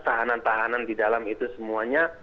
tahanan tahanan di dalam itu semuanya